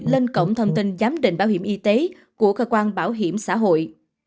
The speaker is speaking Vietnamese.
lên cổng thông tin giám định bảo hiểm y tế của cơ quan bảo hiểm xã hội